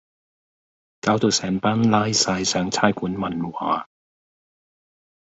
搞到成班拉晒上差館問話